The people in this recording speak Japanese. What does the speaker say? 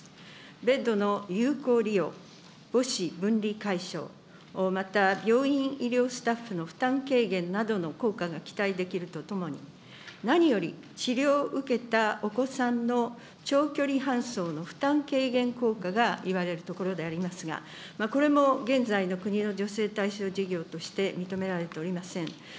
ベッドの有効利用、母子分離解消、また病院医療スタッフの負担軽減などの効果が期待できるとともに、何より治療を受けたお子さんの長距離搬送の負担軽減効果がいわれるところでありますが、これも現在の国の助成対象事業として認められておりません。